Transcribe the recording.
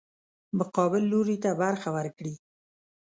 مقابل لوري ته برخه ورکړي.